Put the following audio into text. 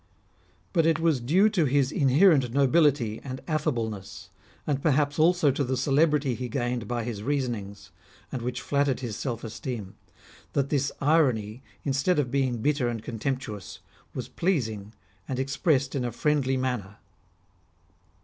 But it was due to his inherent nobility and affableness, and perhaps also to the celebrity he gained by his reasonings, and which flattered his self esteem, that this irony, instead of being bitter and contemptuous, was pleasing, and expressed in a friendly manner.